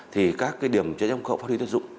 thì các điểm chữa cháy công cộng phát huy được dụng